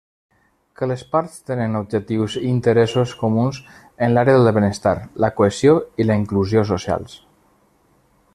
Que les parts tenen objectius i interessos comuns en l'àrea del benestar, la cohesió i la inclusió socials.